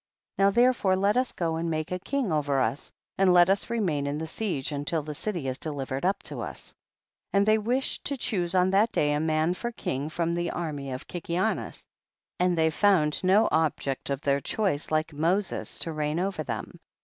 33. Now therefore let us go and make a king over us, and let us re main in the siege until the city is de livered up to us. 34. And they wished to choose on that day a man for king from the army of Kikianus, and they found no object* of their choice like Moses to reign over them.